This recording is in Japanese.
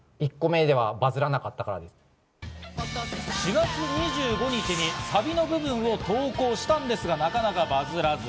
４月２５日にサビの部分を投稿したんですが、なかなかバズらず。